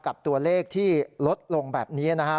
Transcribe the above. กับตัวเลขที่ลดลงแบบนี้นะครับ